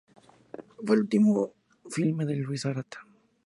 Fue el último filme de Luis Arata.